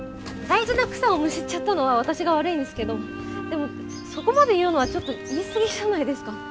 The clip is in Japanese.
大事な草をむしっちゃったのは私が悪いんですけどでもそこまで言うのはちょっと言い過ぎじゃないですか。